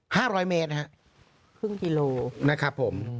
ห้าร้อยเมตรครับครึ่งกิโลนะครับผม